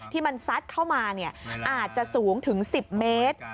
ที่มันซัดเข้ามาอาจจะสูงถึง๑๐เมตร